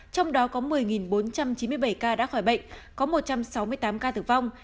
trong đó có một mươi bốn trăm chín mươi bảy ca đã khỏi bệnh có một trăm sáu mươi tám ca tử vong